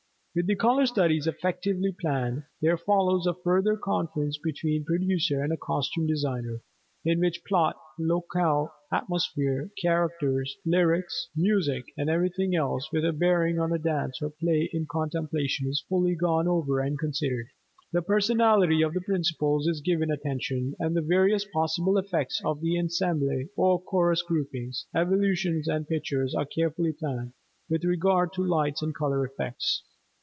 With the color schemes effectively planned, there follows a further conference between producer and costume designer, in which plot, locale, atmosphere, characters, lyrics, music, and everything else with a bearing on the dance or play in contemplation is fully gone over and considered. The personality of the principals is given attention, and the various possible effects of the ensemble or chorus groupings, evolution and pictures are carefully planned, with regard to lights and color effects.